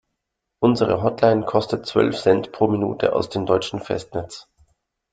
Unsere Hotline kostet zwölf Cent pro Minute aus dem deutschen Festnetz.